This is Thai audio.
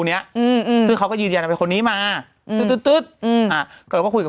เนี้ยอืมอืมซึ่งเขาก็ยืนยันเป็นคนนี้มาอืมอืมอืมอ่าก็เลยก็คุยกับ